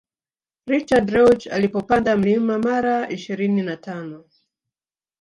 Richard reusch alipopanda mlima mara ishirini na tano